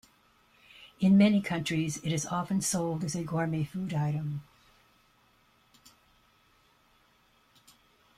In many countries, it is often sold as a gourmet food item.